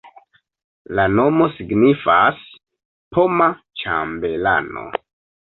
La nomo signifas poma-ĉambelano.